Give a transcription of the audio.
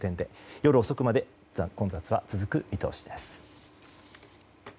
夜遅くまで混雑は続く見通しです。